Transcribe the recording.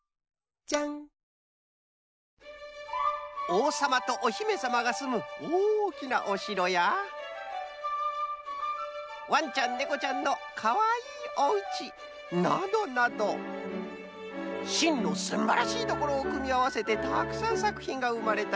おうさまとおひめさまがすむおおきなおしろやわんちゃんねこちゃんのかわいいおうちなどなどしんのすんばらしいところをくみあわせてたくさんさくひんがうまれたようです。